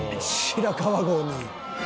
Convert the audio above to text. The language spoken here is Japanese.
白川郷に。